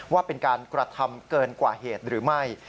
ว่าเป็นการกระทำเกินกว่าเหตุหรือไม่